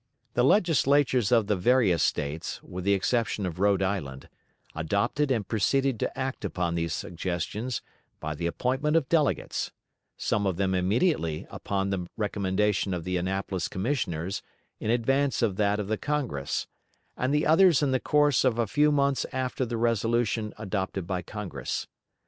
The Legislatures of the various States, with the exception of Rhode Island, adopted and proceeded to act upon these suggestions by the appointment of delegates some of them immediately upon the recommendation of the Annapolis Commissioners in advance of that of the Congress, and the others in the course of a few months after the resolution adopted by Congress.